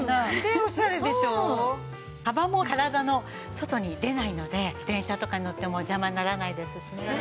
幅も体の外に出ないので電車とかに乗っても邪魔にならないですしね。